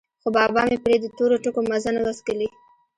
خو بابا مې پرې د تورو ټکو مزه نه وڅکلې.